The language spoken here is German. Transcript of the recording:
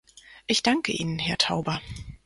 Ich danke Ihnen, Herr Tauber!